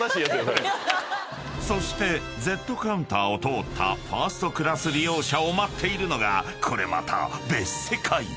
［そしてＺカウンターを通ったファーストクラス利用者を待っているのがこれまた別世界］